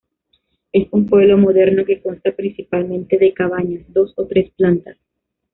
Es un pueblo moderna, que consta principalmente de cabañas dos o tres plantas.